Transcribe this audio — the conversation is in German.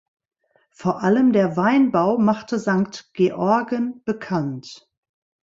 Vor allem der Weinbau machte Sankt Georgen bekannt.